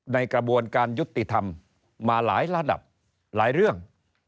ในกระบวนการยุติธรรมมาหลายระดับหลายเรื่อง